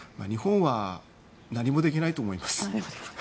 日本は何もできないと思います。